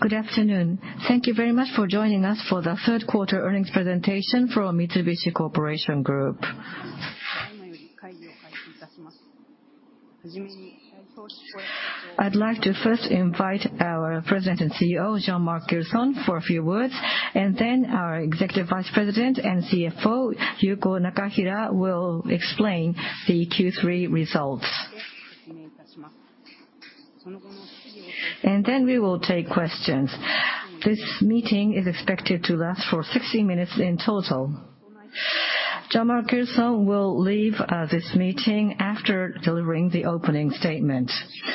Good afternoon. Thank you very much for joining us for the third quarter earnings presentation for our Mitsubishi Chemical Group. I'd like to first invite our President and CEO, Jean-Marc Gilson, for a few words, and then our Executive Vice President and CFO, Yuko Nakahira, will explain the Q3 results. Then we will take questions. This meeting is expected to last for 60 minutes in total. Jean-Marc Gilson will leave this meeting after delivering the opening statement.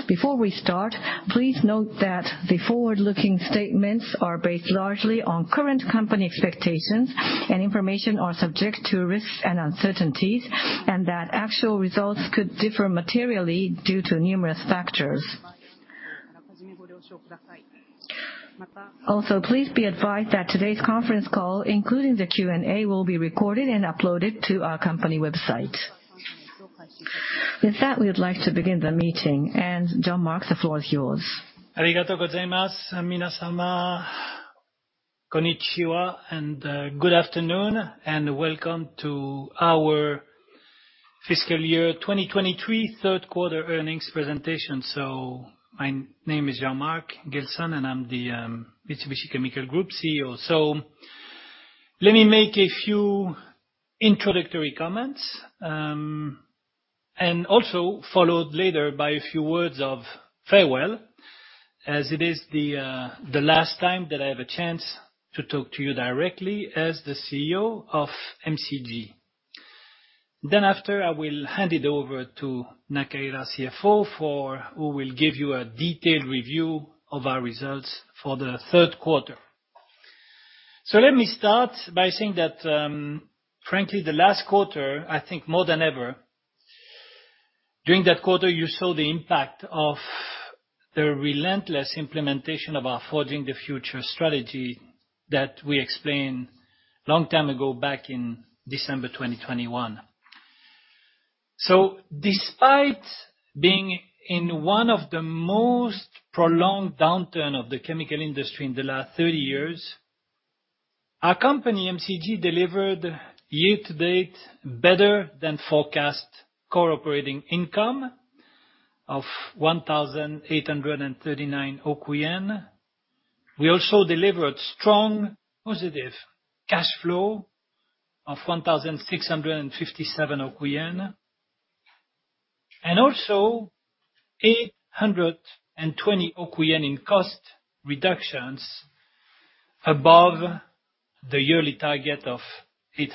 Before we start, please note that the forward-looking statements are based largely on current company expectations, and information are subject to risks and uncertainties, and that actual results could differ materially due to numerous factors. Also, please be advised that today's conference call, including the Q&A, will be recorded and uploaded to our company website. With that, we would like to begin the meeting. Jean-Marc, the floor is yours. Good afternoon, and welcome to our fiscal year 2023 third quarter earnings presentation. My name is Jean-Marc Gilson, and I'm the Mitsubishi Chemical Group CEO. Let me make a few introductory comments, and also followed later by a few words of farewell, as it is the last time that I have a chance to talk to you directly as the CEO of MCG. Then after, I will hand it over to Nakahira, CFO, who will give you a detailed review of our results for the third quarter. Let me start by saying that, frankly, the last quarter, I think more than ever, during that quarter, you saw the impact of the relentless implementation of our Forging the Future strategy that we explained long time ago, back in December 2021. So despite being in one of the most prolonged downturns of the chemical industry in the last 30 years, our company, MCG, delivered year to date better than forecast Core Operating Income of 183.9 billion. We also delivered strong positive cash flow of 165.7 billion, and also 82 billion in cost reductions above the yearly target of 80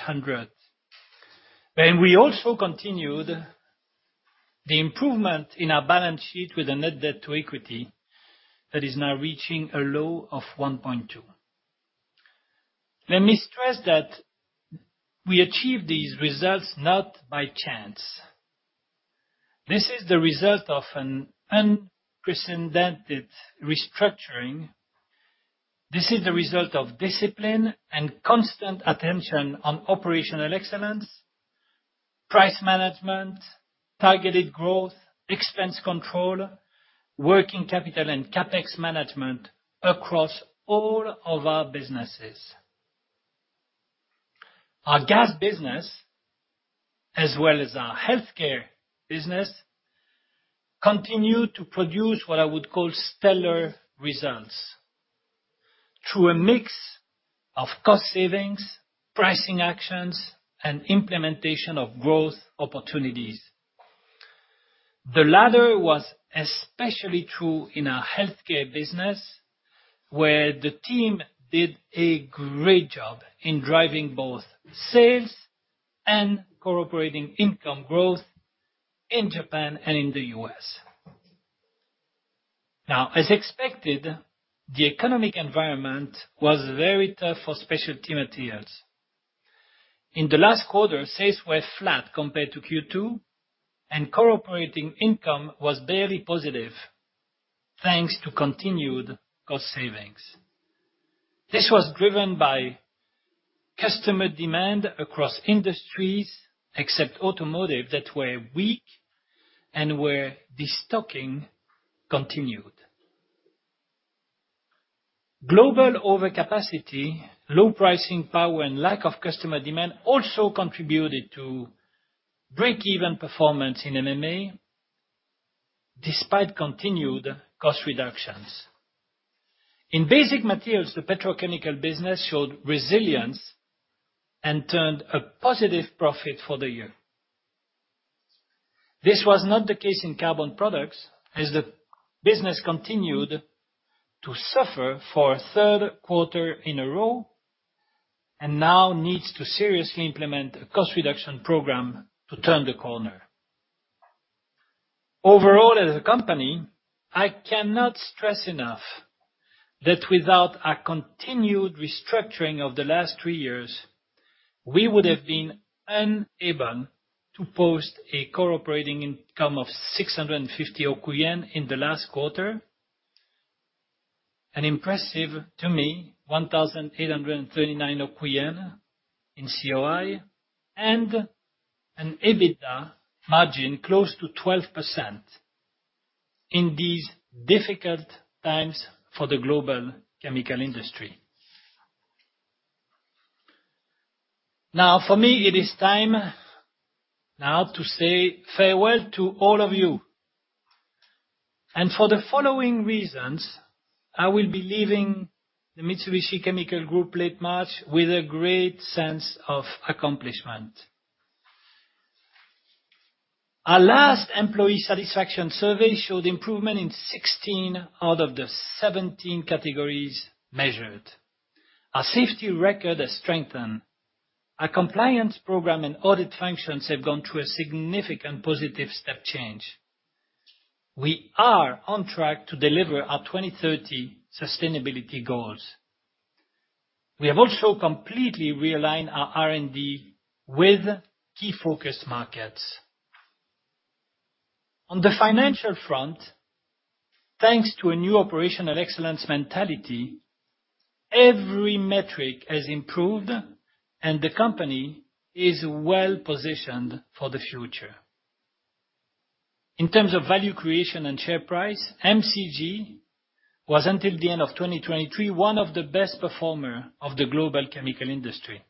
billion. We also continued the improvement in our balance sheet with a net debt to equity that is now reaching a low of 1.2. Let me stress that we achieved these results not by chance. This is the result of an unprecedented restructuring. This is the result of discipline and constant attention on operational excellence, price management, targeted growth, expense control, working capital, and CapEx management across all of our businesses. Our gas business, as well as our Healthcare business, continue to produce what I would call stellar results through a mix of cost savings, pricing actions, and implementation of growth opportunities. The latter was especially true in our Healthcare business, where the team did a great job in driving both sales and Core Operating Income growth in Japan and in the U.S. Now, as expected, the economic environment was very tough for Specialty Materials. In the last quarter, sales were flat compared to Q2, and Core Operating Income was barely positive, thanks to continued cost savings. This was driven by customer demand across industries, except automotive, that were weak and where the de-stocking continued. Global overcapacity, low pricing power, and lack of customer demand also contributed to break-even performance in MMA, despite continued cost reductions. In Basic Materials, the petrochemical business showed resilience and turned a positive profit for the year. This was not the case in Carbon Products, as the business continued to suffer for a third quarter in a row and now needs to seriously implement a cost reduction program to turn the corner. Overall, as a company, I cannot stress enough that without a continued restructuring of the last three years, we would have been unable to post a core operating income of 650 billion yen in the last quarter. An impressive, to me, 183.9 billion yen in COI, and an EBITDA margin close to 12% in these difficult times for the global chemical industry. Now, for me, it is time now to say farewell to all of you. For the following reasons, I will be leaving the Mitsubishi Chemical Group late March with a great sense of accomplishment. Our last employee satisfaction survey showed improvement in 16 out of the 17 categories measured. Our safety record has strengthened. Our compliance program and audit functions have gone through a significant positive step change. We are on track to deliver our 2030 sustainability goals. We have also completely realigned our R&D with key focus markets. On the financial front, thanks to a new operational excellence mentality, every metric has improved, and the company is well-positioned for the future. In terms of value creation and share price, MCG was, until the end of 2023, one of the best performer of the global chemical industry.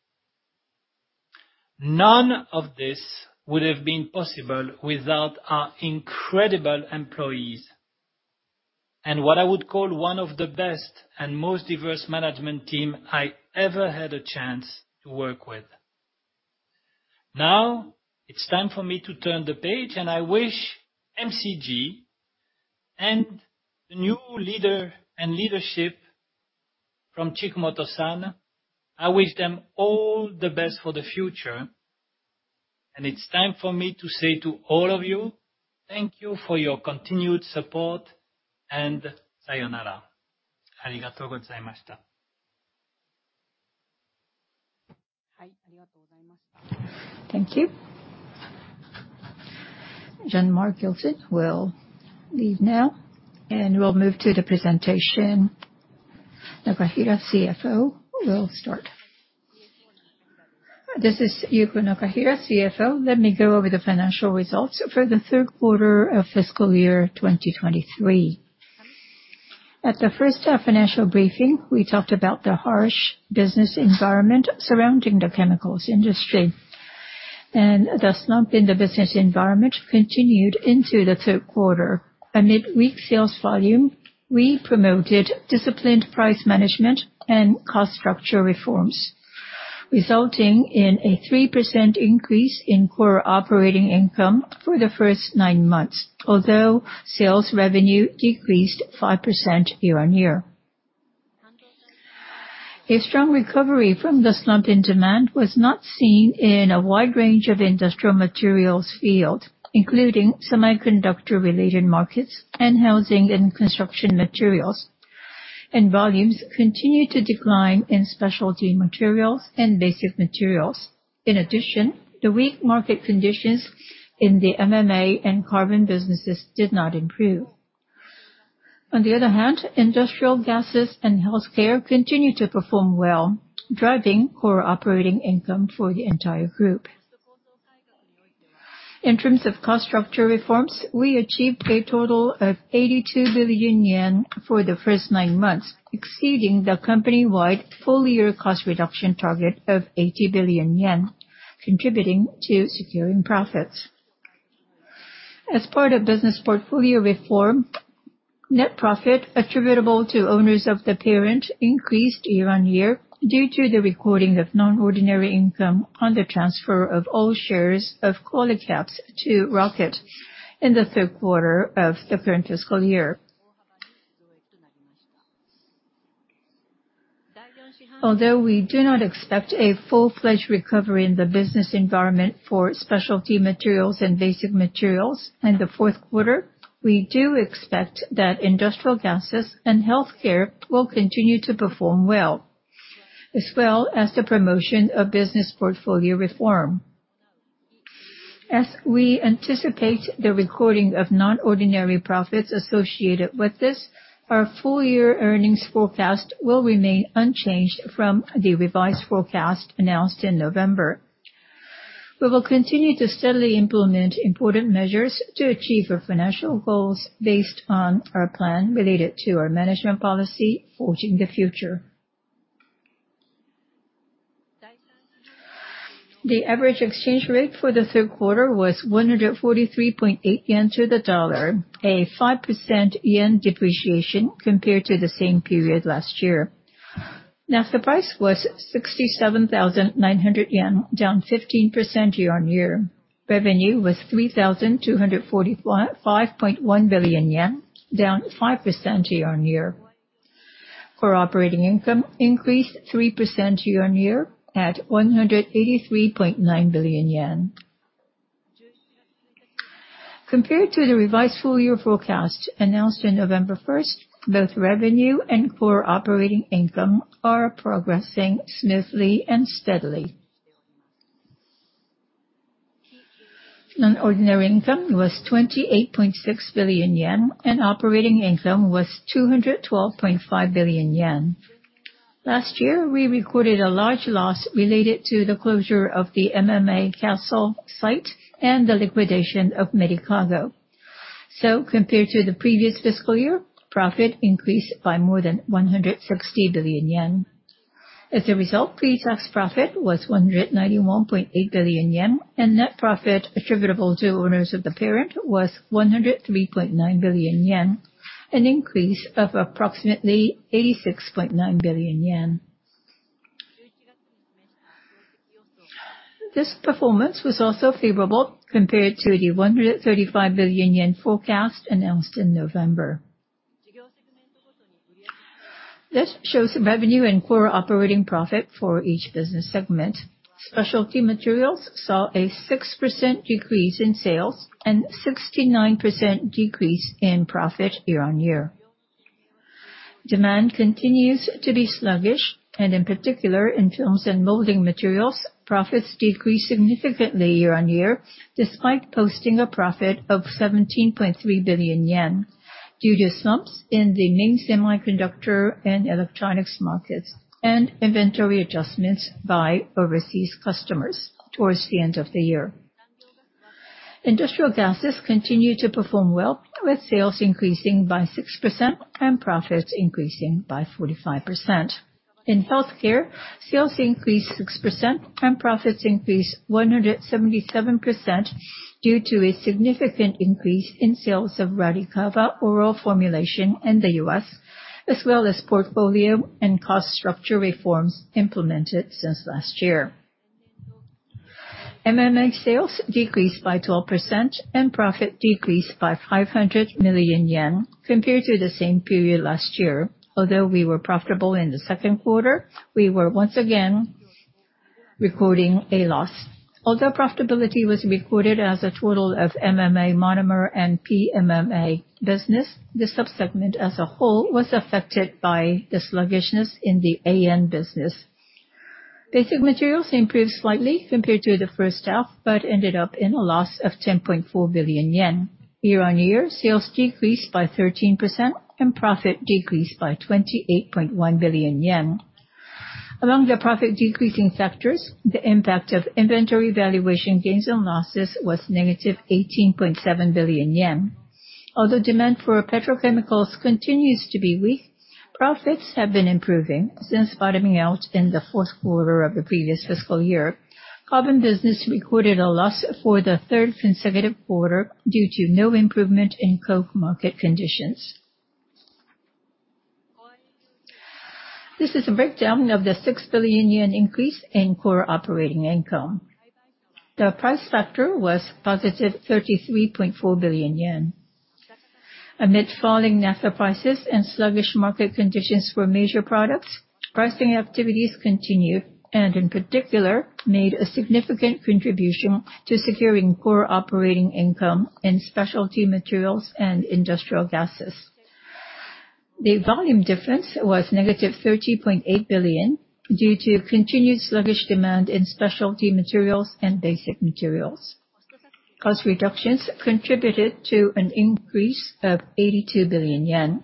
None of this would have been possible without our incredible employees, and what I would call one of the best and most diverse management team I ever had a chance to work with. Now, it's time for me to turn the page, and I wish MCG and the new leader and leadership from Chikumoto-san. I wish them all the best for the future. It's time for me to say to all of you, thank you for your continued support, and sayonara. Arigatou gozaimashita. Thank you. Jean-Marc Gilson will leave now, and we'll move to the presentation. Nakahira, CFO, will start. This is Yuko Nakahira, CFO. Let me go over the financial results for the third quarter of fiscal year 2023. At the first half financial briefing, we talked about the harsh business environment surrounding the chemicals industry, and the slump in the business environment continued into the third quarter. Amid weak sales volume, we promoted disciplined price management and cost structure reforms, resulting in a 3% increase in Core Operating Income for the first nine months, although sales revenue decreased 5% year-on-year. A strong recovery from the slump in demand was not seen in a wide range of industrial materials field, including semiconductor-related markets and housing and construction materials, and volumes continued to decline in Specialty Materials and Basic Materials. In addition, the weak market conditions in the MMA and carbon businesses did not improve. On the other hand, Industrial Gases and Healthcare continued to perform well, driving Core Operating Income for the entire group. In terms of cost structure reforms, we achieved a total of 82 billion yen for the first nine months, exceeding the company-wide full-year cost reduction target of 80 billion yen, contributing to securing profits. As part of business portfolio reform, net profit attributable to owners of the parent increased year-on-year due to the recording of non-ordinary income on the transfer of all shares of Qualicaps to Roquette in the third quarter of the current fiscal year. Although we do not expect a full-fledged recovery in the business environment for Specialty Materials and Basic Materials in the fourth quarter, we do expect that Industrial Gases and Healthcare will continue to perform well, as well as the promotion of business portfolio reform. As we anticipate the recording of non-ordinary profits associated with this, our full-year earnings forecast will remain unchanged from the revised forecast announced in November. We will continue to steadily implement important measures to achieve our financial goals based on our plan related to our management policy Forging the Future. The average exchange rate for the third quarter was 143.8 yen to the dollar, a 5% yen depreciation compared to the same period last year. Now, the price was 67,900 yen, down 15% year-on-year. Revenue was 3,245.1 billion yen, down 5% year-on-year. Core operating income increased 3% year-on-year at 183.9 billion yen. Compared to the revised full-year forecast announced on November first, both revenue and core operating income are progressing smoothly and steadily. Non-ordinary income was 28.6 billion yen, and operating income was 212.5 billion yen. Last year, we recorded a large loss related to the closure of the MMA Cassel site and the liquidation of Medicago. So compared to the previous fiscal year, profit increased by more than 160 billion yen. As a result, pretax profit was 191.8 billion yen, and net profit attributable to owners of the parent was 103.9 billion yen, an increase of approximately 86.9 billion yen. This performance was also favorable compared to the 135 billion yen forecast announced in November. This shows the revenue and core operating profit for each business segment. Specialty Materials saw a 6% decrease in sales and 69% decrease in profit year-on-year. Demand continues to be sluggish, and in particular, in Films and Molding Materials, profits decreased significantly year-on-year, despite posting a profit of 17.3 billion yen due to slumps in the main semiconductor and electronics markets and inventory adjustments by overseas customers towards the end of the year. Industrial Gases continued to perform well, with sales increasing by 6% and profits increasing by 45%. In Healthcare, sales increased 6%, and profits increased 177% due to a significant increase in sales of RADICAVA oral formulation in the U.S., as well as portfolio and cost structure reforms implemented since last year. MMA sales decreased by 12%, and profit decreased by 500 million yen compared to the same period last year. Although we were profitable in the second quarter, we were once again recording a loss. Although profitability was recorded as a total of MMA monomer and PMMA business, the subsegment as a whole was affected by the sluggishness in the AN business. Basic Materials improved slightly compared to the first half, but ended up in a loss of 10.4 billion yen. Year-on-year, sales decreased by 13% and profit decreased by 28.1 billion yen. Among the profit decreasing factors, the impact of inventory valuation gains and losses was -18.7 billion yen. Although demand for Petrochemicals continues to be weak, profits have been improving since bottoming out in the fourth quarter of the previous fiscal year. Carbon business recorded a loss for the third consecutive quarter due to no improvement in coke market conditions. This is a breakdown of the 6 billion yen increase in core operating income. The price factor was +33.4 billion yen. Amid falling naphtha prices and sluggish market conditions for major products, pricing activities continued and in particular, made a significant contribution to securing core operating income in Specialty Materials and Industrial Gases. The volume difference was -30.8 billion due to continued sluggish demand in Specialty Materials and Basic Materials. Cost reductions contributed to an increase of 82 billion yen.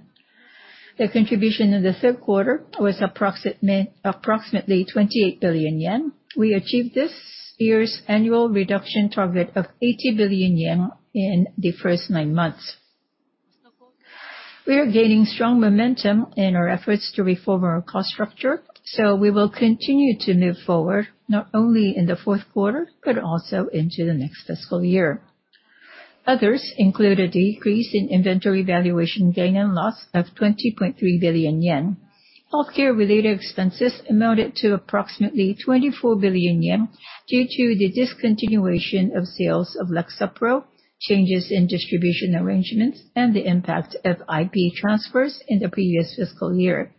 The contribution in the third quarter was approximately 28 billion yen. We achieved this year's annual reduction target of 80 billion yen in the first nine months. We are gaining strong momentum in our efforts to reform our cost structure, so we will continue to move forward not only in the fourth quarter, but also into the next fiscal year. Others include a decrease in inventory valuation gain and loss of 20.3 billion yen. Healthcare-related expenses amounted to approximately 24 billion yen due to the discontinuation of sales of Lexapro, changes in distribution arrangements, and the impact of IP transfers in the previous fiscal year.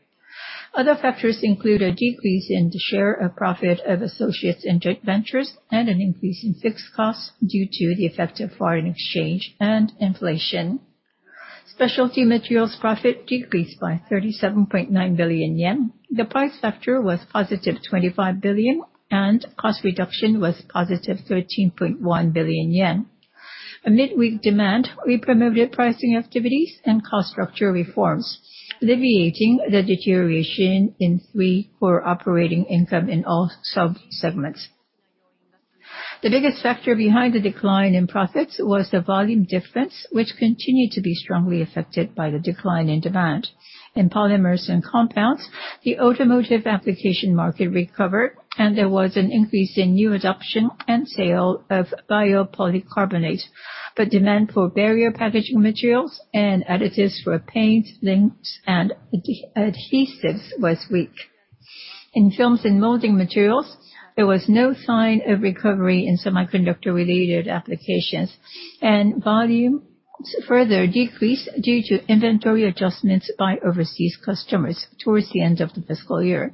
Other factors include a decrease in the share of profit of associates and joint ventures, and an increase in fixed costs due to the effect of foreign exchange and inflation. Specialty Materials profit decreased by 37.9 billion yen. The price factor was positive 25 billion, and cost reduction was positive 13.1 billion yen. Amid weak demand, we promoted pricing activities and cost structure reforms, alleviating the deterioration in the Core Operating Income in all subsegments. The biggest factor behind the decline in profits was the volume difference, which continued to be strongly affected by the decline in demand. In Polymers and Compounds, the automotive application market recovered, and there was an increase in new adoption and sale of biopolycarbonate, but demand for barrier packaging materials and additives for paint, inks, and adhesives was weak. In Films and Molding Materials, there was no sign of recovery in semiconductor-related applications, and volumes further decreased due to inventory adjustments by overseas customers towards the end of the fiscal year.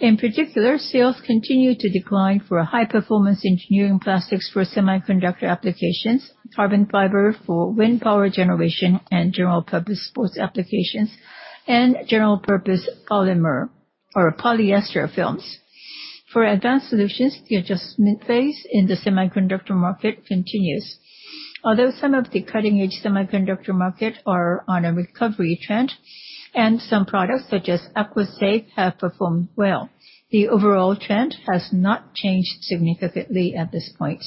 In particular, sales continued to decline for high-performance engineering plastics for semiconductor applications, carbon fiber for wind power generation and general-purpose sports applications, and general-purpose polymer or polyester films.... For Advanced Solutions, the adjustment phase in the semiconductor market continues. Although some of the cutting-edge semiconductor market are on a recovery trend, and some products, such as aquaSAVE, have performed well, the overall trend has not changed significantly at this point.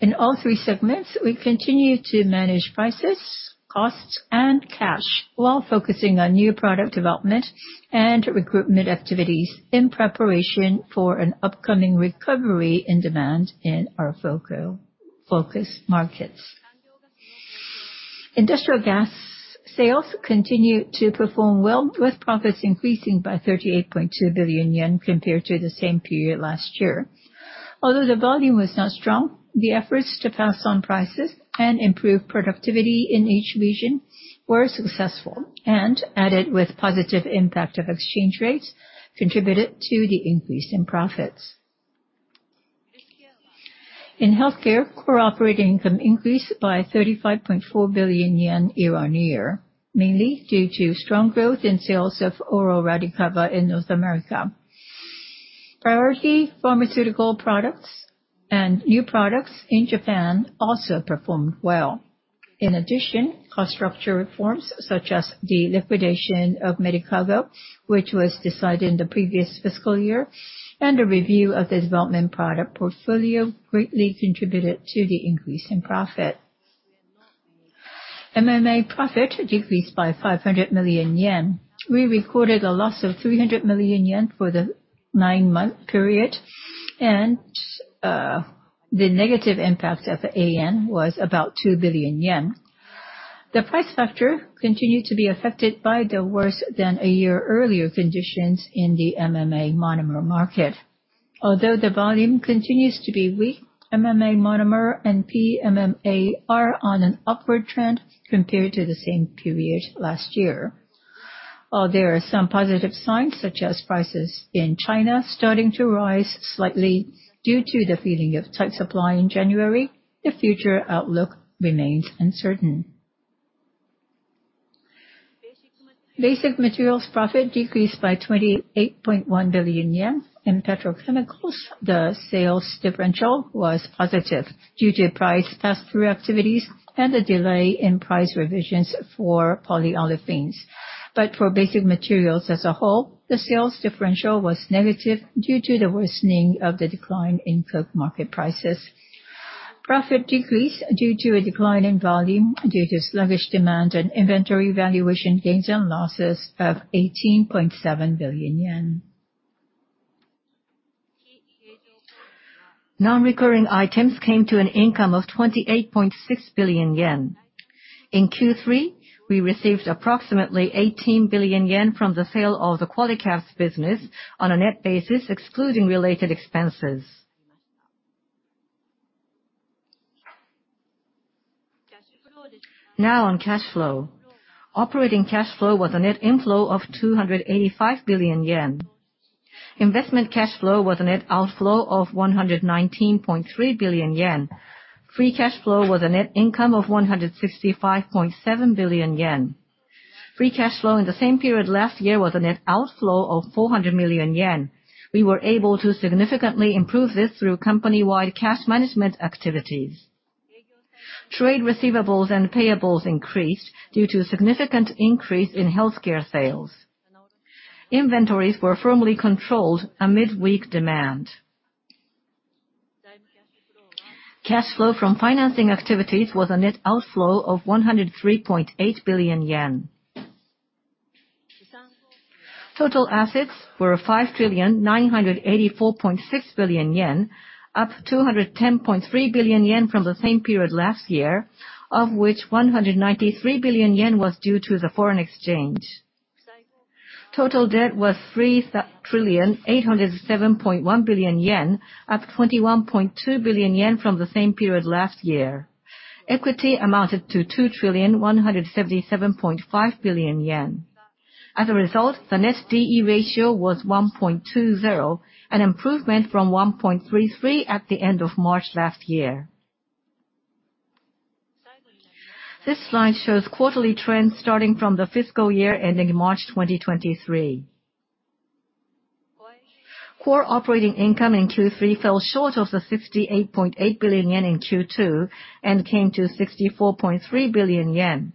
In all three segments, we continue to manage prices, costs, and cash while focusing on new product development and recruitment activities in preparation for an upcoming recovery in demand in our focal focus markets. Industrial gas sales continue to perform well, with profits increasing by 38.2 billion yen compared to the same period last year. Although the volume was not strong, the efforts to pass on prices and improve productivity in each region were successful and, added with positive impact of exchange rates, contributed to the increase in profits. In Healthcare, core operating income increased by 35.4 billion yen year-on-year, mainly due to strong growth in sales of oral RADICAVA in North America. Priority pharmaceutical products and new products in Japan also performed well. In addition, cost structure reforms, such as the liquidation of Medicago, which was decided in the previous fiscal year, and a review of the development product portfolio, greatly contributed to the increase in profit. MMA profit decreased by 500 million yen. We recorded a loss of 300 million yen for the nine-month period, and the negative impact of the AN was about 2 billion yen. The price factor continued to be affected by the worse than a year earlier conditions in the MMA monomer market. Although the volume continues to be weak, MMA monomer and PMMA are on an upward trend compared to the same period last year. While there are some positive signs, such as prices in China starting to rise slightly due to the feeling of tight supply in January, the future outlook remains uncertain. Basic Materials' profit decreased by 28.1 billion yen. In Petrochemicals, the sales differential was positive due to price pass-through activities and a delay in price revisions for polyolefins. But for Basic Materials as a whole, the sales differential was negative due to the worsening of the decline in coke market prices. Profit decreased due to a decline in volume, due to sluggish demand and inventory valuation gains and losses of 18.7 billion yen. Non-recurring items came to an income of 28.6 billion yen. In Q3, we received approximately 18 billion yen from the sale of the Qualicaps business on a net basis, excluding related expenses. Now on cash flow. Operating cash flow was a net inflow of 285 billion yen. Investment cash flow was a net outflow of 119.3 billion yen. Free cash flow was a net income of 165.7 billion yen. Free cash flow in the same period last year was a net outflow of 400 million yen. We were able to significantly improve this through company-wide cash management activities. Trade receivables and payables increased due to a significant increase in Healthcare sales. Inventories were firmly controlled amid weak demand. Cash flow from financing activities was a net outflow of 103.8 billion yen. Total assets were 5,984.6 billion yen, up 210.3 billion yen from the same period last year, of which 193 billion yen was due to the foreign exchange. Total debt was 3,807.1 billion yen, up 21.2 billion yen from the same period last year. Equity amounted to 2,177.5 billion yen. As a result, the net DE ratio was 1.20, an improvement from 1.33 at the end of March last year. This slide shows quarterly trends starting from the fiscal year ending March 2023. Core Operating Income in Q3 fell short of the 68.8 billion yen in Q2, and came to 64.3 billion yen.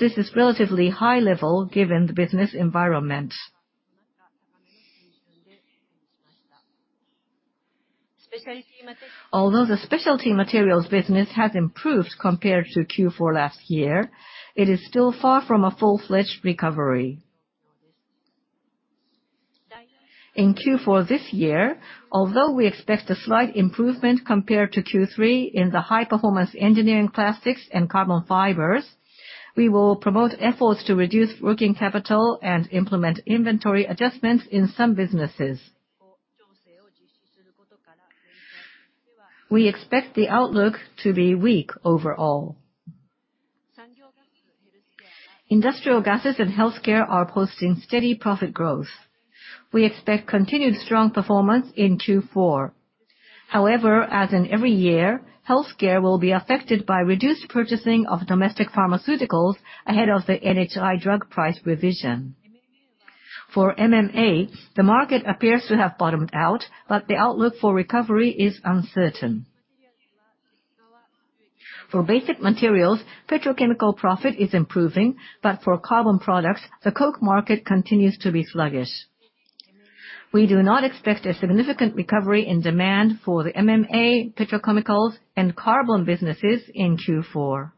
This is relatively high level given the business environment. Although the Specialty Materials business has improved compared to Q4 last year, it is still far from a full-fledged recovery. In Q4 this year, although we expect a slight improvement compared to Q3 in the high-performance engineering plastics and carbon fibers, we will promote efforts to reduce working capital and implement inventory adjustments in some businesses. We expect the outlook to be weak overall. Industrial Gases and Healthcare are posting steady profit growth. We expect continued strong performance in Q4; however, as in every year, Healthcare will be affected by reduced purchasing of domestic pharmaceuticals ahead of the NHI drug price revision. For MMA, the market appears to have bottomed out, but the outlook for recovery is uncertain. For Basic Materials, petrochemical profit is improving, but for Carbon Products, the coke market continues to be sluggish. We do not expect a significant recovery in demand for the MMA, Petrochemicals, and carbon businesses in Q4.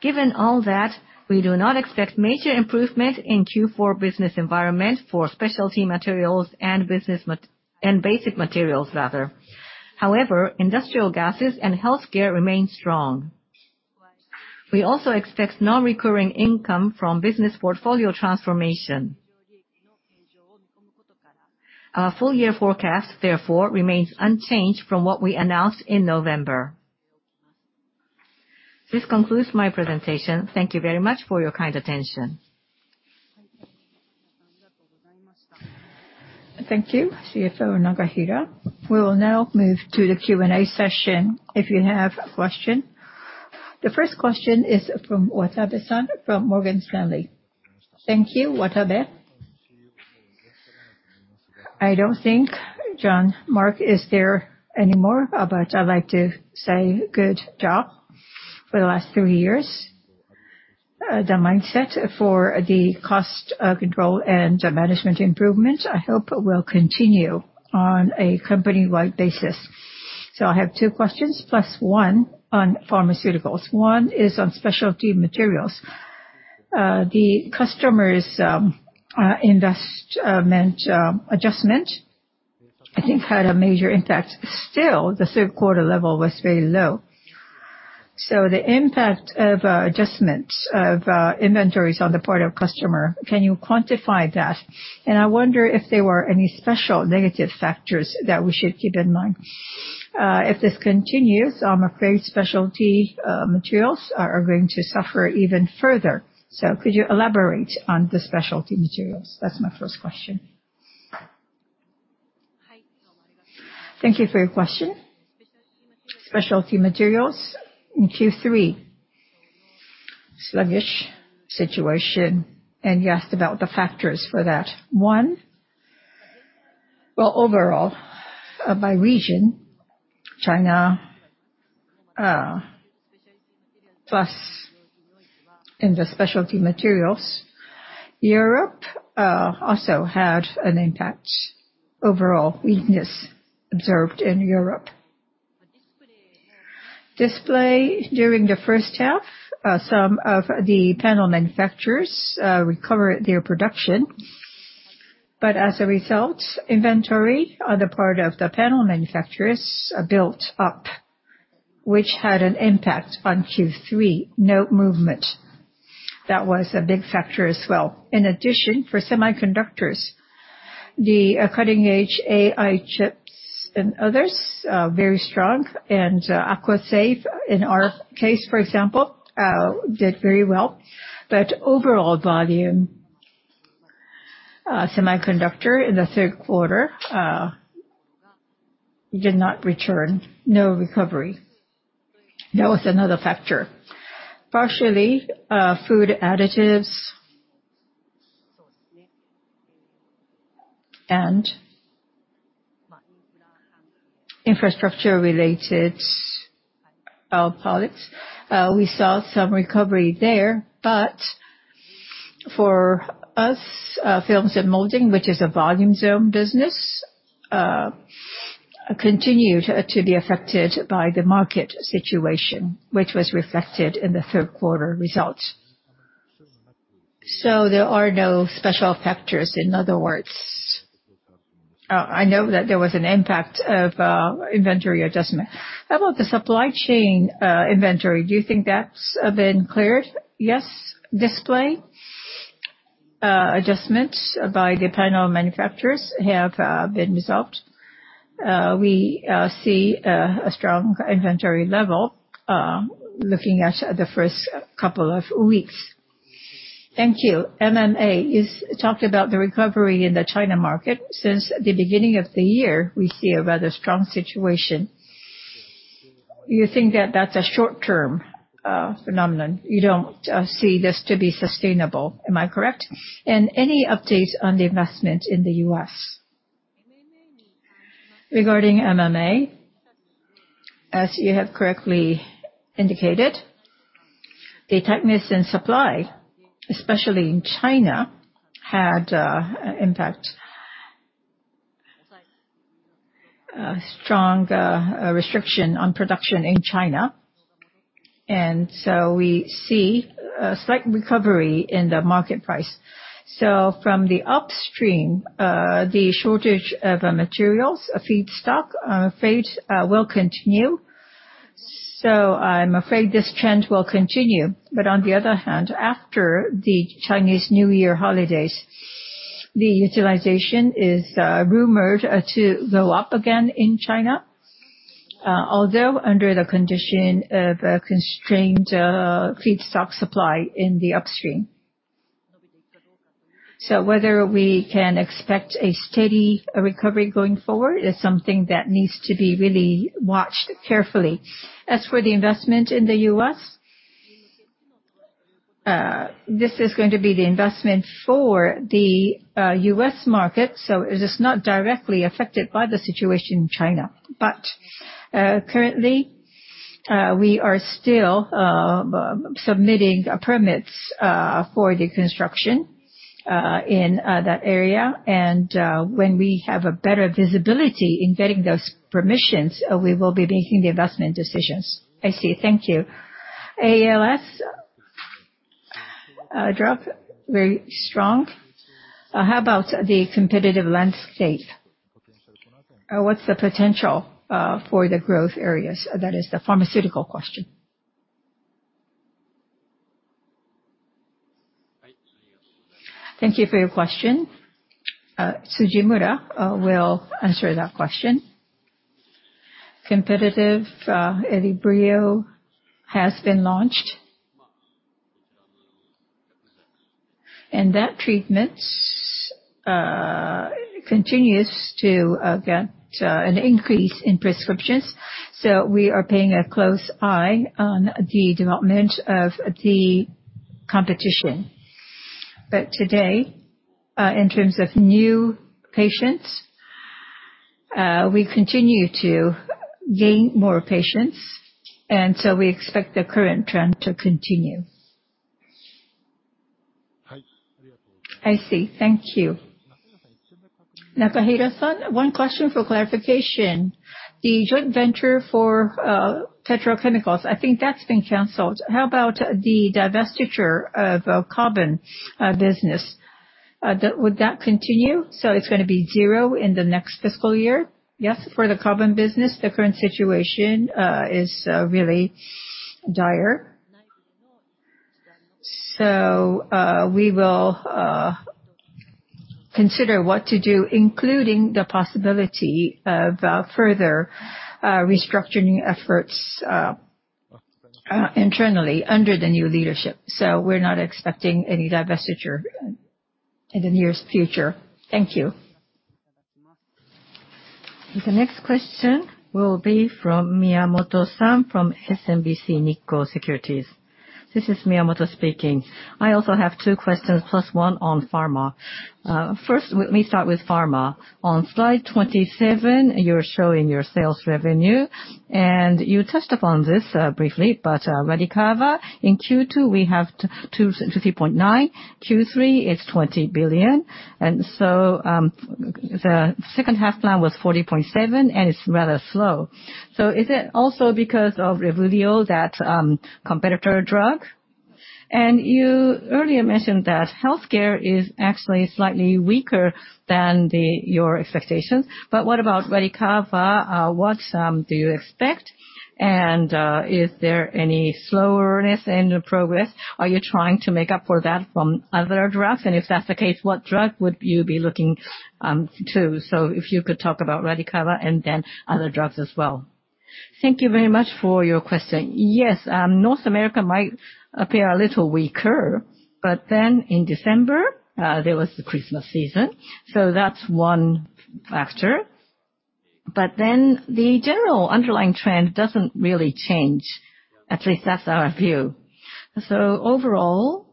Given all that, we do not expect major improvement in Q4 business environment for Specialty Materials and Basic Materials, rather. However, Industrial Gases and Healthcare remain strong. We also expect non-recurring income from business portfolio transformation. Our full year forecast, therefore, remains unchanged from what we announced in November. This concludes my presentation. Thank you very much for your kind attention. Thank you, CFO Nakahira. We will now move to the Q&A session, if you have a question. The first question is from Watabe-san from Morgan Stanley. Thank you, Watabe. I don't think Jean-Marc is there anymore, but I'd like to say good job for the last three years. The mindset for the cost control and management improvement, I hope will continue on a company-wide basis. So I have two questions, plus one on pharmaceuticals. One is on Specialty Materials. The customers' investment adjustment, I think, had a major impact. Still, the third quarter level was very low. So the impact of adjustment of inventories on the part of customer, can you quantify that? And I wonder if there were any special negative factors that we should keep in mind. If this continues, I'm afraid Specialty Materials are going to suffer even further. So could you elaborate on the Specialty Materials? That's my first question. Thank you for your question. Specialty Materials in Q3, sluggish situation, and you asked about the factors for that. One, well, overall, by region, China, plus in the Specialty Materials, Europe, also had an impact, overall weakness observed in Europe. Display during the first half, some of the panel manufacturers recovered their production, but as a result, inventory on the part of the panel manufacturers built up, which had an impact on Q3. No movement. That was a big factor as well. In addition, for semiconductors, the cutting-edge AI chips and others, very strong, and aquaSAVE, in our case, for example, did very well. But overall volume, semiconductor in the third quarter, did not return. No recovery. That was another factor. Partially, food additives and infrastructure-related products, we saw some recovery there, but for us, Films and Molding, which is a volume zone business, continued to be affected by the market situation, which was reflected in the third quarter results. So there are no special factors, in other words. I know that there was an impact of inventory adjustment. How about the supply chain, inventory? Do you think that's been cleared? Yes. Display adjustment by the panel manufacturers have been resolved. We see a strong inventory level, looking at the first couple of weeks. Thank you. MMA, you talked about the recovery in the China market. Since the beginning of the year, we see a rather strong situation. You think that that's a short-term phenomenon? You don't see this to be sustainable. Am I correct? Any update on the investment in the U.S.? Regarding MMA, as you have correctly indicated, the tightness in supply, especially in China, had a impact. A strong restriction on production in China, and so we see a slight recovery in the market price. So from the upstream, the shortage of materials, feedstock, will continue, so I'm afraid this trend will continue. But on the other hand, after the Chinese New Year holidays, the utilization is rumored to go up again in China, although under the condition of a constrained feedstock supply in the upstream. So whether we can expect a steady recovery going forward is something that needs to be really watched carefully. As for the investment in the US, this is going to be the investment for the US market, so it is not directly affected by the situation in China. But currently, we are still submitting permits for the construction in that area. And when we have a better visibility in getting those permissions, we will be making the investment decisions. I see. Thank you. ALS dropped very strong. How about the competitive landscape? What's the potential for the growth areas? That is the pharmaceutical question. Thank you for your question. Tsujimura will answer that question. Competitive, RELYVRIO has been launched. And that treatment continues to get an increase in prescriptions, so we are paying a close eye on the development of the competition. But today, in terms of new patients, we continue to gain more patients, and so we expect the current trend to continue. I see. Thank you. Nakahira-san, one question for clarification. The joint venture for Petrochemicals, I think that's been canceled. How about the divestiture of carbon business? That would continue, so it's gonna be zero in the next fiscal year? Yes, for the carbon business, the current situation is really dire. So, we will consider what to do, including the possibility of further restructuring efforts internally under the new leadership. So we're not expecting any divestiture in the nearest future. Thank you. The next question will be from Miyamoto-san from SMBC Nikko Securities. This is Miyamoto speaking. I also have two questions, plus one on pharma. First, let me start with pharma. On slide 27, you're showing your sales revenue, and you touched upon this briefly, but RADICAVA, in Q2, we have 20.9. Q3 is 20 billion, and so, the second half now was 40.7 billion, and it's rather slow. So is it also because of RELYVRIO, that competitor drug? And you earlier mentioned that Healthcare is actually slightly weaker than your expectations. But what about RADICAVA? What do you expect? And is there any slowness in the progress? Are you trying to make up for that from other drugs? And if that's the case, what drug would you be looking to? If you could talk about RADICAVA and then other drugs as well. Thank you very much for your question. Yes, North America might appear a little weaker, but then in December, there was the Christmas season, so that's one factor. But then the general underlying trend doesn't really change, at least that's our view. So overall,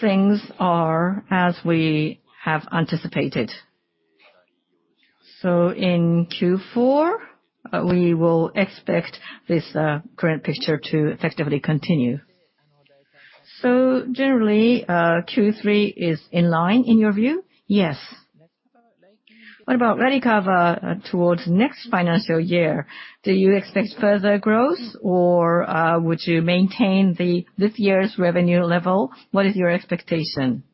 things are as we have anticipated. So in Q4, we will expect this, current picture to effectively continue. Generally, Q3 is in line, in your view? Yes. What about RADICAVA towards next financial year? Do you expect further growth, or, would you maintain the, this year's revenue level? What is your expectation?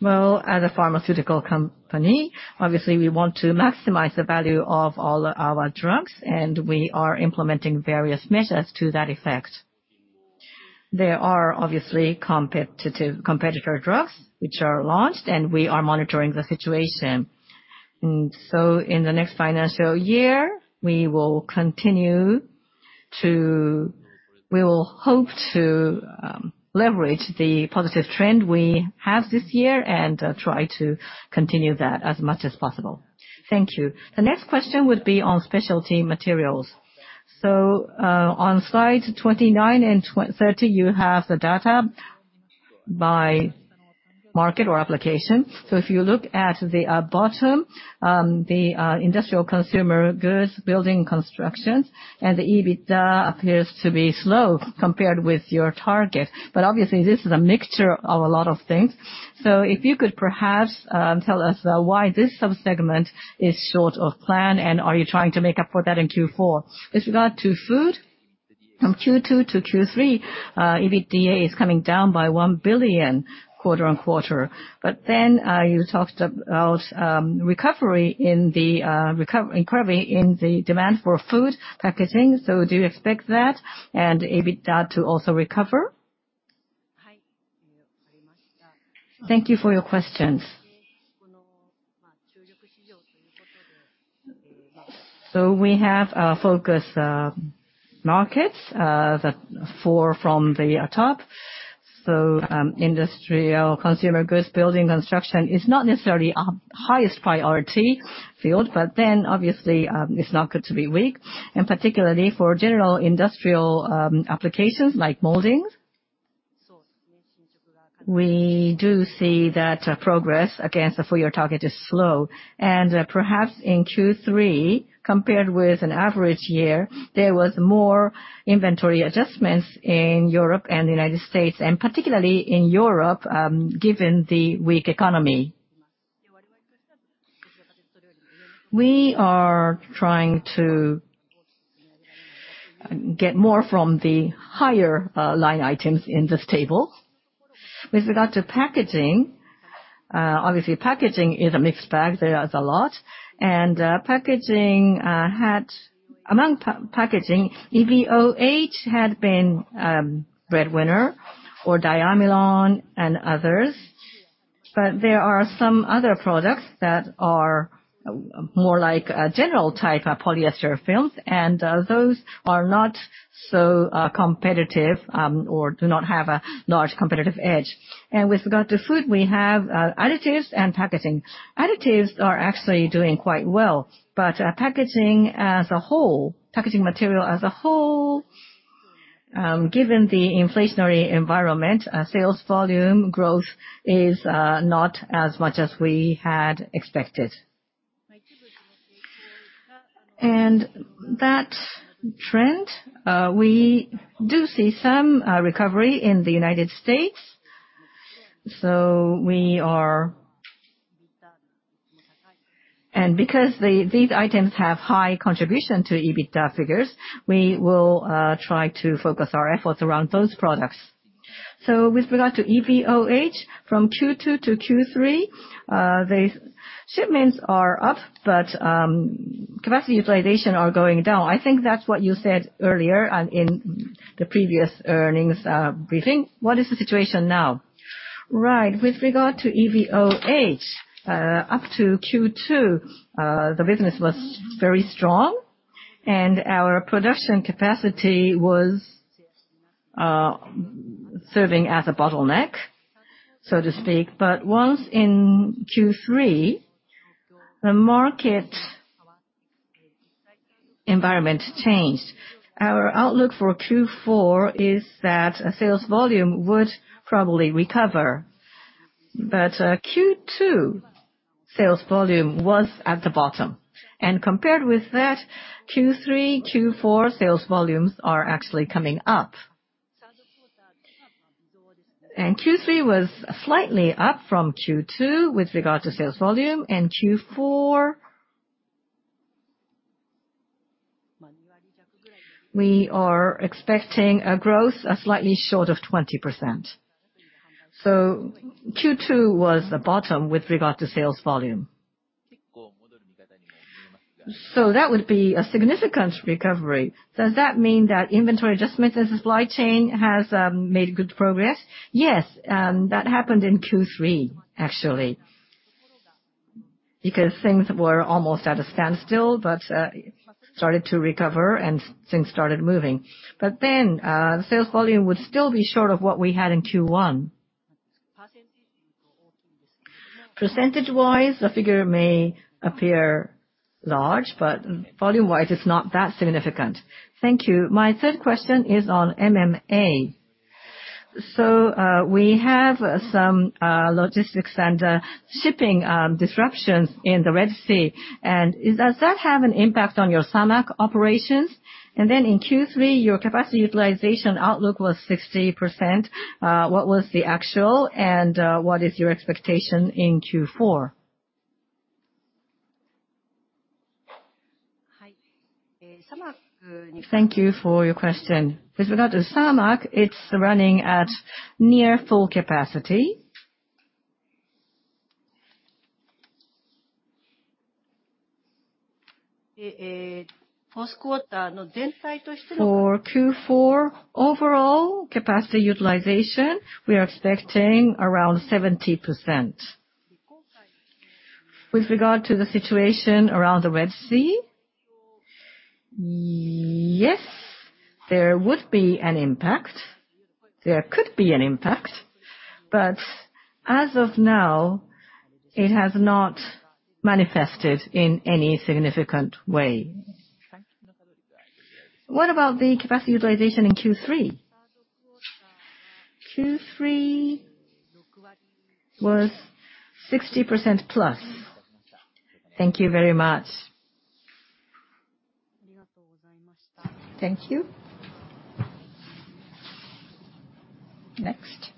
Well, as a pharmaceutical company, obviously, we want to maximize the value of all our drugs, and we are implementing various measures to that effect. There are obviously competitive, competitor drugs which are launched, and we are monitoring the situation. And so in the next financial year, we will hope to leverage the positive trend we have this year and try to continue that as much as possible. Thank you. The next question would be on Specialty Materials. On slide 29 and 30, you have the data by market or application. If you look at the bottom, the industrial consumer goods, building constructions, and the EBITDA appears to be slow compared with your target. But obviously, this is a mixture of a lot of things. If you could perhaps tell us why this subsegment is short of plan, and are you trying to make up for that in Q4? With regard to food? From Q2 to Q3, EBITDA is coming down by 1 billion quarter-on-quarter. But then, you talked about recovery in the demand for food packaging, so do you expect that and EBITDA to also recover? Thank you for your questions. So we have focus markets, the four from the top. So, industrial, consumer goods, building construction is not necessarily our highest priority field, but then obviously, it's not good to be weak. And particularly for general industrial, applications like moldings, we do see that progress against the full year target is slow. And, perhaps in Q3, compared with an average year, there was more inventory adjustments in Europe and the United States, and particularly in Europe, given the weak economy. We are trying to get more from the higher line items in this table. With regard to packaging, obviously, packaging is a mixed bag. There is a lot, and, packaging, among packaging, EVOH had been breadwinner for DIAMIRON and others. But there are some other products that are more like a general type of polyester films, and, those are not so, competitive, or do not have a large competitive edge. With regard to food, we have, additives and packaging. Additives are actually doing quite well, but, packaging as a whole, packaging material as a whole, given the inflationary environment, sales volume growth is, not as much as we had expected. That trend, we do see some, recovery in the United States, so we are... Because these items have high contribution to EBITDA figures, we will, try to focus our efforts around those products. With regard to EVOH, from Q2 to Q3, the shipments are up, but, capacity utilization are going down. I think that's what you said earlier on in the previous earnings briefing. What is the situation now? Right. With regard to EVOH, up to Q2, the business was very strong, and our production capacity was serving as a bottleneck, so to speak. But once in Q3, the market environment changed. Our outlook for Q4 is that sales volume would probably recover, but Q2 sales volume was at the bottom. And compared with that, Q3, Q4 sales volumes are actually coming up. And Q3 was slightly up from Q2 with regard to sales volume, and Q4? We are expecting a growth, slightly short of 20%. So Q2 was a bottom with regard to sales volume. So that would be a significant recovery. Does that mean that inventory adjustment in the supply chain has made good progress? Yes, that happened in Q3, actually, because things were almost at a standstill, but started to recover and things started moving. But then, the sales volume would still be short of what we had in Q1. Percentage-wise, the figure may appear large, but volume-wise, it's not that significant. Thank you. My third question is on MMA. So, we have some logistics and shipping disruptions in the Red Sea, and does that have an impact on your SAMAC operations? And then in Q3, your capacity utilization outlook was 60%. What was the actual, and what is your expectation in Q4? Thank you for your question. With regard to SAMAC, it's running at near full capacity. For Q4, overall capacity utilization, we are expecting around 70%. With regard to the situation around the Red Sea, yes, there would be an impact. There could be an impact, but as of now, it has not manifested in any significant way. What about the capacity utilization in Q3? Q3 was 60%+. Thank you very much. Thank you. Next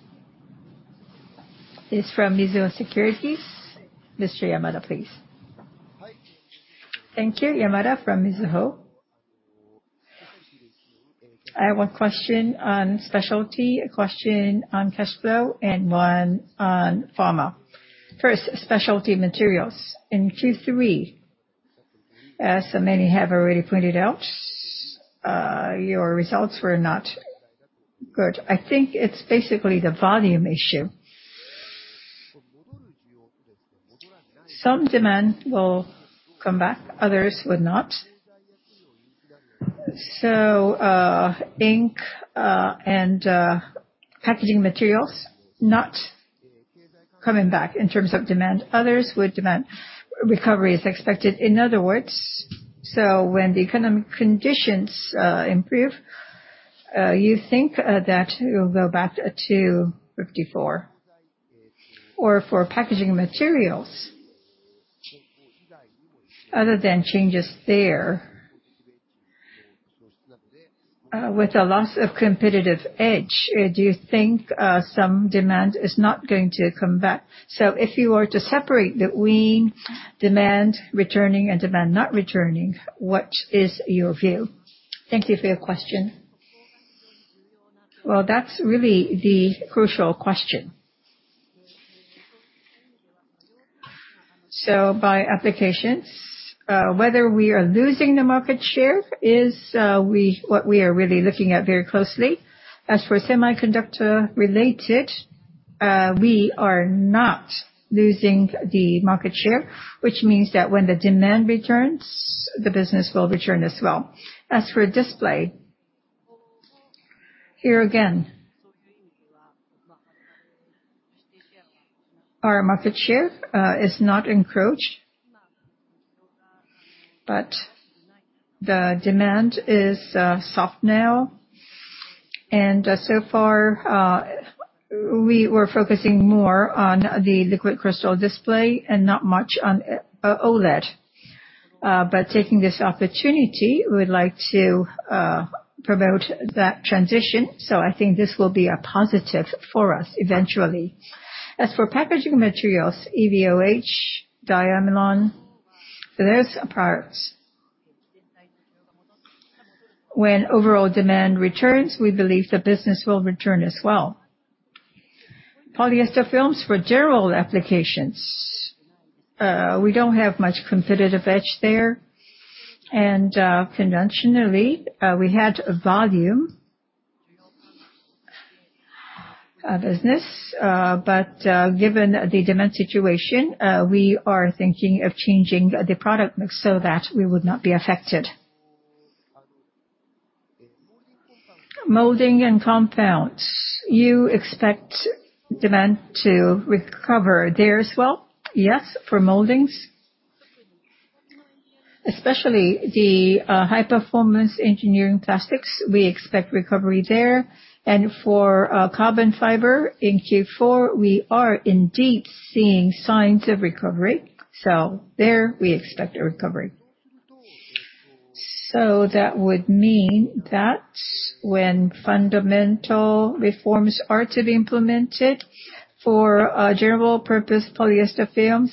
is from Mizuho Securities. Mr. Yamada, please. Thank you. Yamada from Mizuho. I have one question on specialty, a question on cash flow, and one on pharma. First, Specialty Materials. In Q3, as many have already pointed out, your results were not good. I think it's basically the volume issue. Some demand will come back, others would not. So, ink and packaging materials not coming back in terms of demand. Others, with demand, recovery is expected. In other words, so when the economic conditions improve, you think that it will go back to 54? Or for packaging materials, other than changes there, with the loss of competitive edge, do you think some demand is not going to come back? So if you were to separate between demand returning and demand not returning, what is your view? Thank you for your question. Well, that's really the crucial question. So by applications, whether we are losing the market share is what we are really looking at very closely. As for semiconductor-related, we are not losing the market share, which means that when the demand returns, the business will return as well. As for display, here again, our market share is not encroached, but the demand is soft now. So far, we were focusing more on the liquid crystal display and not much on OLED. But taking this opportunity, we'd like to promote that transition, so I think this will be a positive for us eventually. As for packaging materials, EVOH, DIAMIRON, those parts, when overall demand returns, we believe the business will return as well. Polyester films for general applications, we don't have much competitive edge there, and conventionally, we had volume business. But, given the demand situation, we are thinking of changing the product mix so that we would not be affected. Molding and compounds, you expect demand to recover there as well? Yes, for moldings. Especially the high-performance engineering plastics, we expect recovery there. And for carbon fiber in Q4, we are indeed seeing signs of recovery, so there we expect a recovery. So that would mean that when fundamental reforms are to be implemented for general purpose polyester films,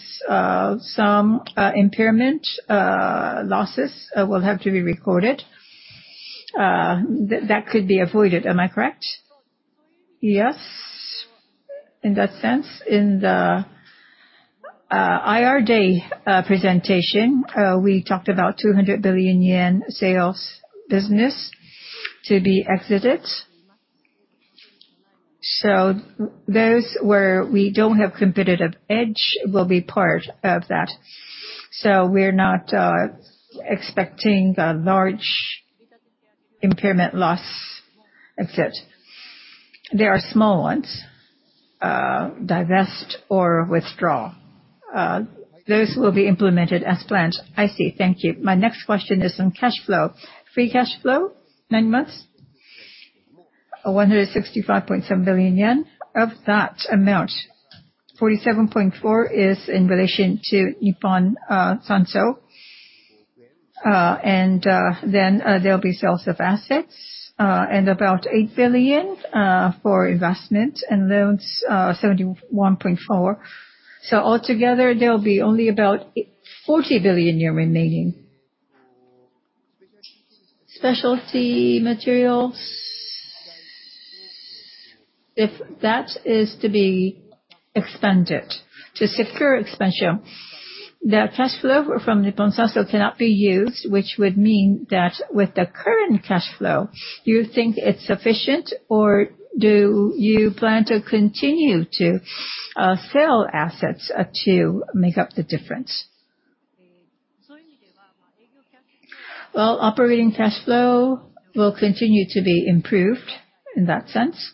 some impairment losses will have to be recorded. That could be avoided. Am I correct? Yes. In that sense, in the IR day presentation, we talked about 200 billion yen sales business to be exited. So those where we don't have competitive edge will be part of that. So we're not expecting a large impairment loss exit. There are small ones, divest or withdraw. Those will be implemented as planned. I see. Thank you. My next question is on cash flow. Free cash flow, nine months? 165.7 billion yen. Of that amount, 47.4 billion is in relation to Nippon Sanso. And then there'll be sales of assets and about 8 billion for investment and loans, 71.4 billion. So altogether, there'll be only about forty billion yen remaining. Specialty Materials, if that is to be expanded, to secure expansion, the cash flow from Nippon Sanso cannot be used, which would mean that with the current cash flow, do you think it's sufficient, or do you plan to continue to sell assets to make up the difference? Well, operating cash flow will continue to be improved in that sense.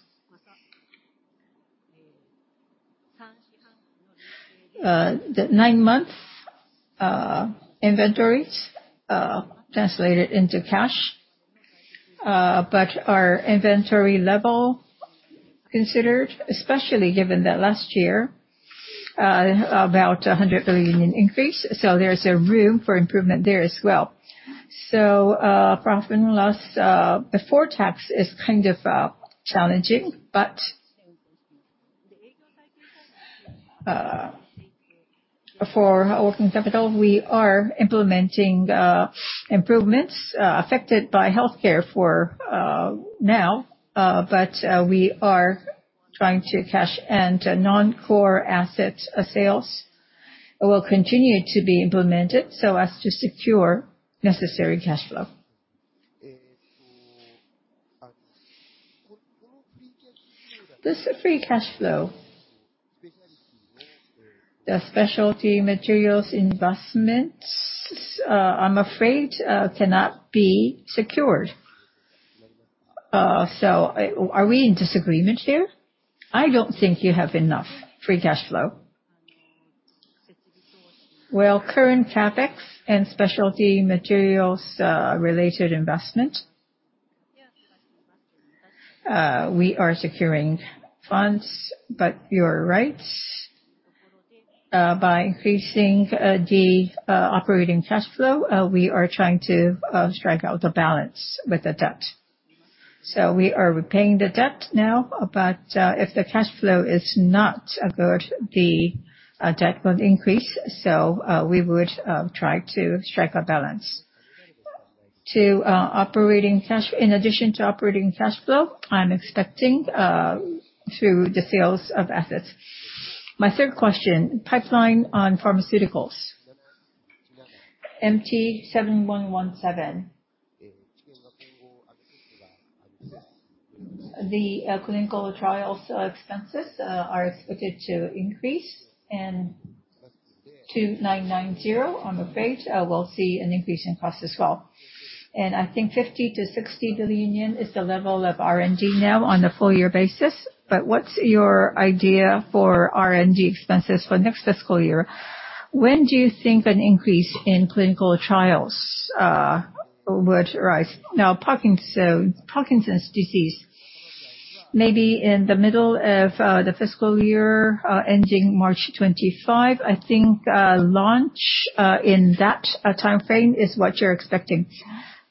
The nine-month inventories translated into cash, but our inventory level considered, especially given that last year, about 100 billion increase, so there's a room for improvement there as well. So, profit and loss before tax is kind of challenging, but, for working capital, we are implementing improvements affected by Healthcare for now. But, we are trying to cash, and non-core asset sales will continue to be implemented so as to secure necessary cash flow. There's a free cash flow. The Specialty Materials investments, I'm afraid, cannot be secured. So are we in disagreement here? I don't think you have enough free cash flow. Well, current CapEx and Specialty Materials related investment, we are securing funds, but you're right. By increasing the operating cash flow, we are trying to strike a balance with the debt. So we are repaying the debt now, but if the cash flow is not good, the debt would increase, so we would try to strike a balance. In addition to operating cash flow, I'm expecting through the sales of assets. My third question, pipeline on pharmaceuticals? MT-7117. The clinical trials expenses are expected to increase, and MT-2990, I'm afraid, will see an increase in cost as well. I think 50-60 billion yen is the level of R&D now on a full year basis, but what's your idea for R&D expenses for next fiscal year? When do you think an increase in clinical trials would arise? Now, Parkinson's disease, maybe in the middle of the fiscal year ending March 2025, I think, launch in that timeframe is what you're expecting.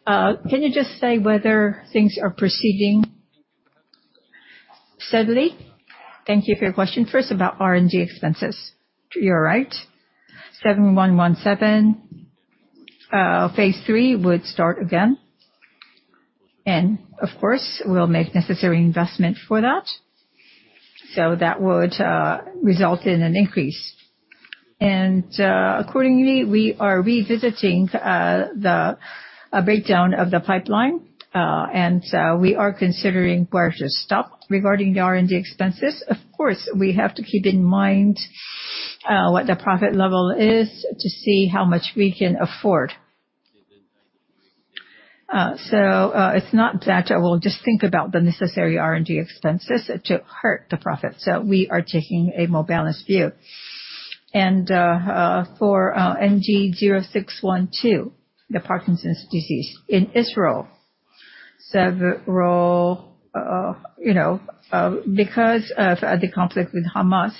Can you just say whether things are proceeding steadily? Thank you for your question. First, about R&D expenses. You're right. MT-7117 phase III would start again, and of course, we'll make necessary investment for that. So that would result in an increase. Accordingly, we are revisiting the breakdown of the pipeline and we are considering where to stop regarding the R&D expenses. Of course, we have to keep in mind what the profit level is to see how much we can afford. So, it's not that we'll just think about the necessary R&D expenses to hurt the profits. So we are taking a more balanced view. And for ND0612, the Parkinson's disease. In Israel, several, you know, because of the conflict with Hamas,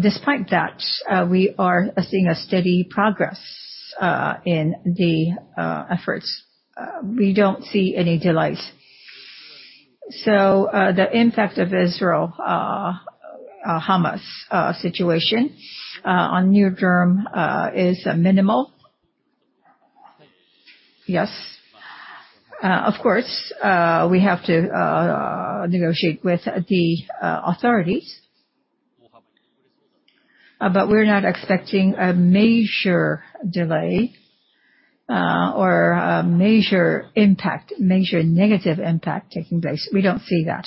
despite that, we are seeing a steady progress in the efforts. We don't see any delays. So, the impact of Israel Hamas situation on NeuroDerm is minimal. Yes. Of course, we have to negotiate with the authorities. But we're not expecting a major delay, or a major impact, major negative impact taking place. We don't see that.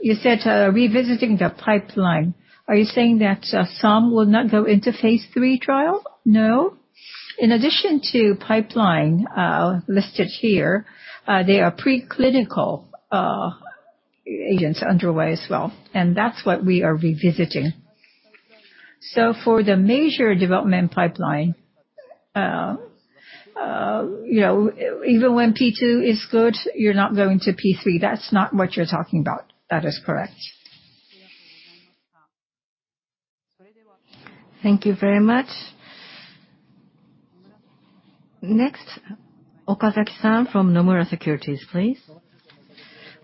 You said, revisiting the pipeline. Are you saying that, some will not go into phase III trial? No. In addition to pipeline listed here, there are preclinical agents underway as well, and that's what we are revisiting. So for the major development pipeline, you know, even when P2 is good, you're not going to P3. That's not what you're talking about. That is correct. Thank you very much. Next, Okazaki-san from Nomura Securities, please.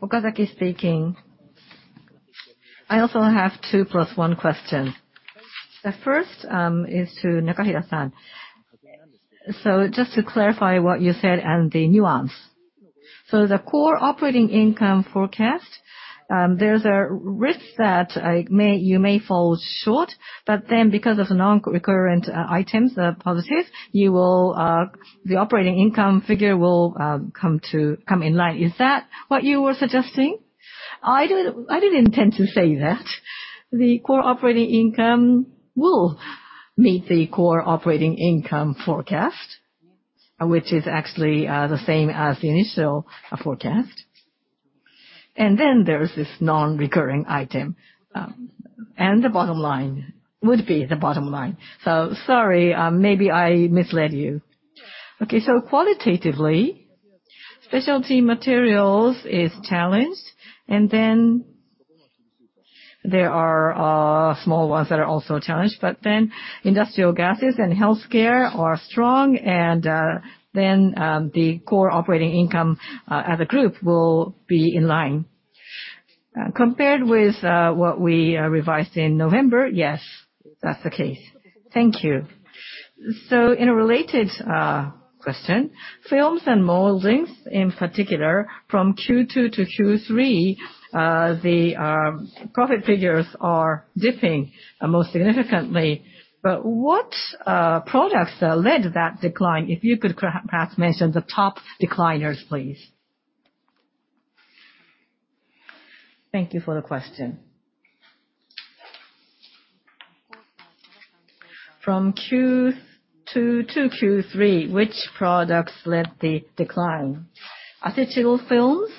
Okazaki speaking. I also have 2 + 1 question. The first is to Nakahira-san. So just to clarify what you said and the nuance. So the Core Operating Income forecast, there's a risk that may, you may fall short, but then because of non-recurrent items, the positives, you will the operating income figure will come in line. Is that what you were suggesting? I didn't intend to say that. The Core Operating Income will meet the Core Operating Income forecast, which is actually the same as the initial forecast. And then there is this non-recurring item, and the bottom line would be the bottom line. So sorry, maybe I misled you. Okay, so qualitatively, Specialty Materials is challenged, and then there are small ones that are also challenged, but then Industrial Gases and Healthcare are strong, and then the Core Operating Income, as a group, will be in line. Compared with what we revised in November, yes, that's the case. Thank you. So in a related question, Films and Molding, in particular, from Q2 to Q3, the profit figures are dipping most significantly. But what products led that decline? If you could perhaps mention the top decliners, please. Thank you for the question. From Q2 to Q3, which products led the decline? Acetyl films,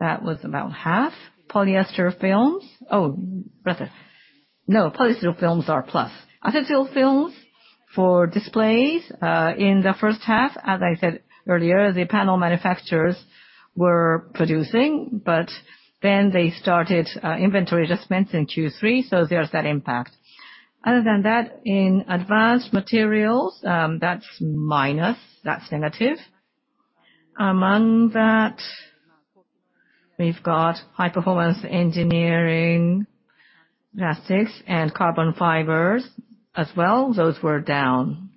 that was about half. Polyester films. Oh, rather, no, polyester films are plus. Acetyl films for displays, in the first half, as I said earlier, the panel manufacturers were producing, but then they started inventory adjustments in Q3, so there's that impact. Other than that, in advanced materials, that's minus, that's negative. Among that, we've got high-performance engineering plastics and carbon fibers as well, those were down.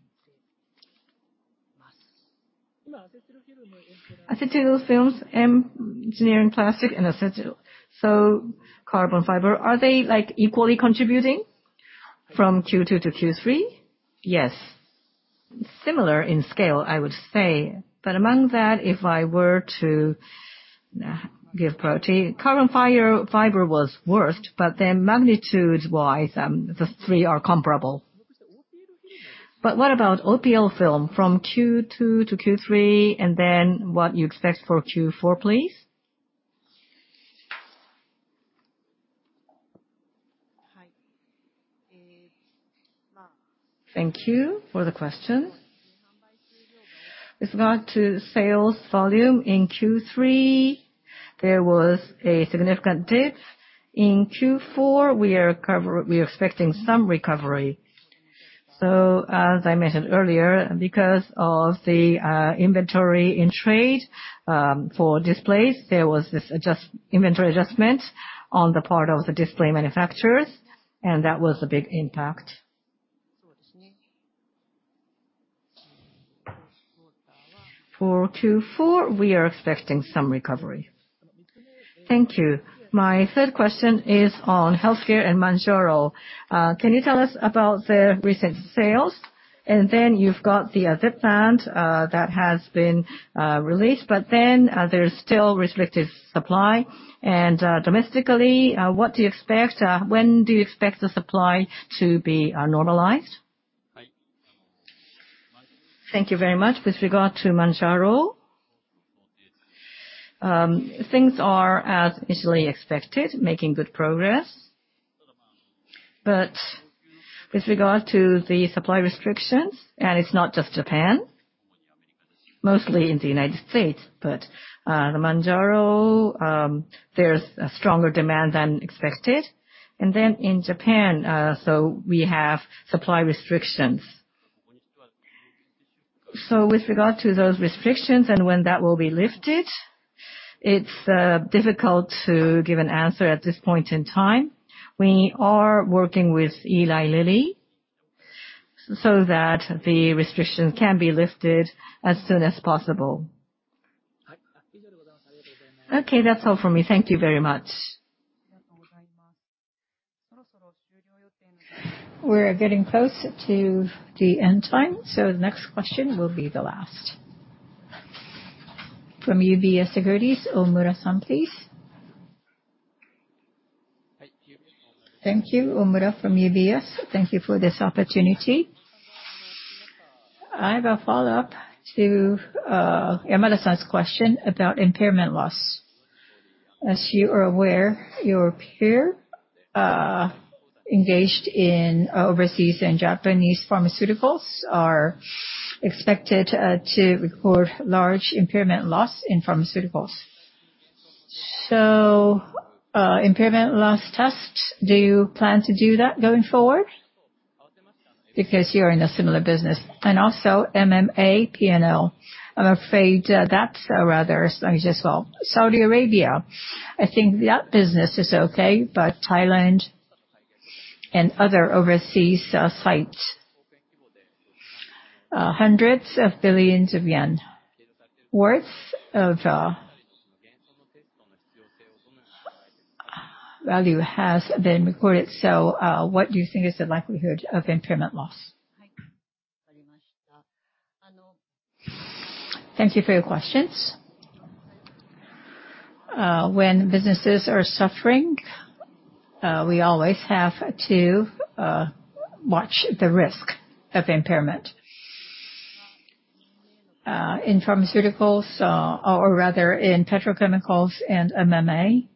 Acetyl films, engineering plastic, and acetyl, so carbon fiber, are they, like, equally contributing from Q2 to Q3? Yes. Similar in scale, I would say. But among that, if I were to give priority, carbon fiber was worst, but then magnitude-wise, the three are comparable. But what about OPLFILM from Q2 to Q3, and then what you expect for Q4, please? Thank you for the question. With regard to sales volume in Q3, there was a significant dip. In Q4, we are expecting some recovery. So as I mentioned earlier, because of the inventory in trade for displays, there was this inventory adjustment on the part of the display manufacturers, and that was a big impact. For Q4, we are expecting some recovery. Thank you. My third question is on Healthcare and Mounjaro. Can you tell us about the recent sales? Then you've got the Zepbound that has been released, but then there's still restricted supply and domestically, what do you expect, when do you expect the supply to be normalized? Thank you very much. With regard to Mounjaro, things are as initially expected, making good progress. But with regard to the supply restrictions, and it's not just Japan, mostly in the United States, but the Mounjaro, there's a stronger demand than expected. And then in Japan, so we have supply restrictions. So with regard to those restrictions and when that will be lifted, it's difficult to give an answer at this point in time. We are working with Eli Lilly, so that the restrictions can be lifted as soon as possible. Okay, that's all for me. Thank you very much. We're getting close to the end time, so the next question will be the last. From UBS Securities, Omura-san, please. Thank you, Omura from UBS. Thank you for this opportunity. I have a follow-up to, Yamada-san's question about impairment loss. As you are aware, your peer, engaged in overseas and Japanese pharmaceuticals, are expected, to record large impairment loss in pharmaceuticals. So, impairment loss tests, do you plan to do that going forward? Because you're in a similar business. And also MMA P&L. I'm afraid, that's a rather... Let me just, well, Saudi Arabia, I think that business is okay, but Thailand and other overseas, sites, JPY hundreds of billions worth of, value has been recorded. So, what do you think is the likelihood of impairment loss? Thank you for your questions. When businesses are suffering, we always have to watch the risk of impairment. In pharmaceuticals, or rather, in Petrochemicals and MMA,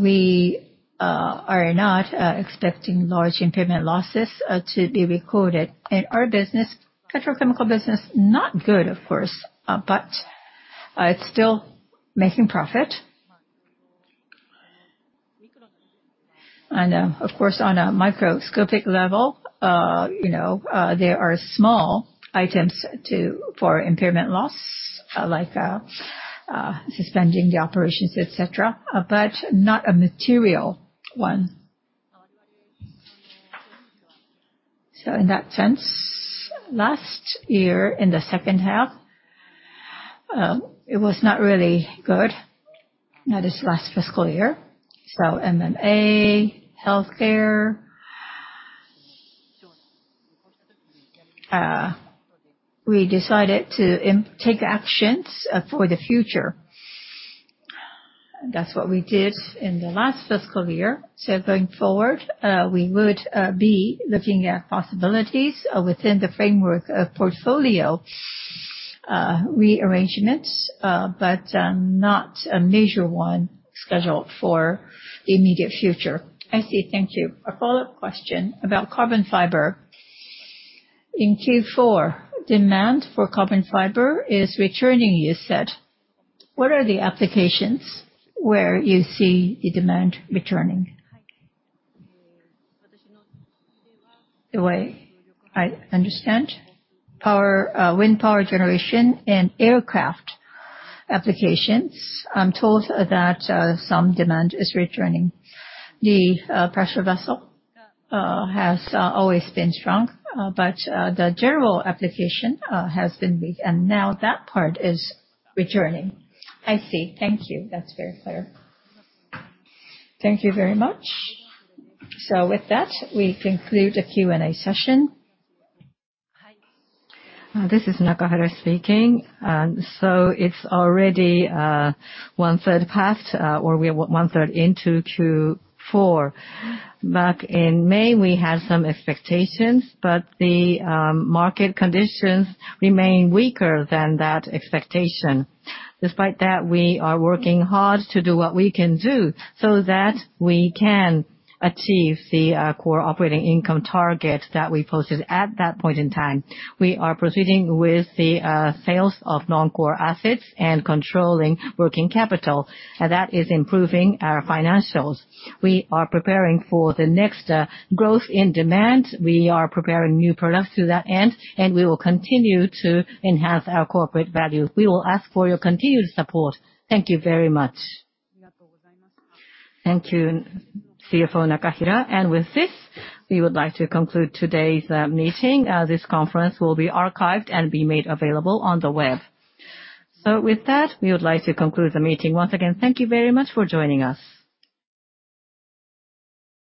we are not expecting large impairment losses to be recorded. In our business, petrochemical business, not good, of course, but it's still making profit. And of course, on a microscopic level, you know, there are small items for impairment loss, like suspending the operations, et cetera, but not a material one. So in that sense, last year, in the second half- it was not really good, that is last fiscal year. So MMA, Healthcare, we decided to take actions for the future. That's what we did in the last fiscal year. So going forward, we would be looking at possibilities within the framework of portfolio rearrangements, but not a major one scheduled for the immediate future. I see. Thank you. A follow-up question about carbon fiber. In Q4, demand for carbon fiber is returning, you said. What are the applications where you see the demand returning? The way I understand, power, wind power generation and aircraft applications, I'm told that some demand is returning. The pressure vessel has always been strong, but the general application has been weak, and now that part is returning. I see. Thank you. That's very clear. Thank you very much. So with that, we conclude the Q&A session. Hi, this is Nakahira speaking. So it's already one-third past, or we are one-third into Q4. Back in May, we had some expectations, but the market conditions remain weaker than that expectation. Despite that, we are working hard to do what we can do so that we can achieve the Core Operating Income target that we posted at that point in time. We are proceeding with the sales of non-core assets and controlling working capital, and that is improving our financials. We are preparing for the next growth in demand. We are preparing new products to that end, and we will continue to enhance our corporate values. We will ask for your continued support. Thank you very much. Thank you, CFO Nakahira. And with this, we would like to conclude today's meeting. This conference will be archived and be made available on the web. So with that, we would like to conclude the meeting. Once again, thank you very much for joining us.